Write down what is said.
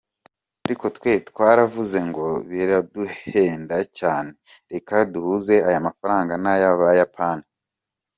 Ariko twe twaravuze ngo biraduhenda cyane, reka duhuze aya mafaranga n’ay’Abayapani.